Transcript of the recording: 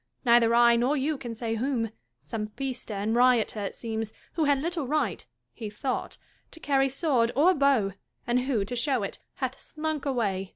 Neither I nor you can say whom — some feaster and rioter, it seems, who had little right (he thought) to carry sword or bow, and who, to show it, hath slunk away.